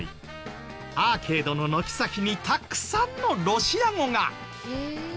アーケードの軒先にたくさんのロシア語が。